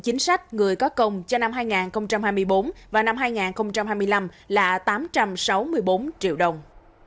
chính sách người có công cho năm hai nghìn hai mươi bốn và năm hai nghìn hai mươi năm là tám trăm sáu mươi bốn triệu đồng